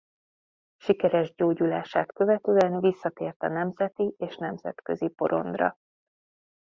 Sikeres gyógyulását követően visszatért a nemzeti- és nemzetközi porondra.